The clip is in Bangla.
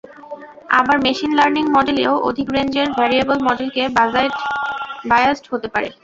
আবার মেশিন লার্নিং মডেলেও অধিক রেঞ্জের ভ্যারিয়েবল মডেলকে বায়াজড হতে পারে।